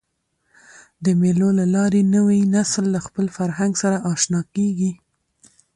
د مېلو له لاري نوی نسل له خپل فرهنګ سره اشنا کېږي.